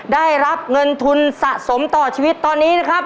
ได้รับเงินทุนสะสมต่อชีวิตตอนนี้นะครับ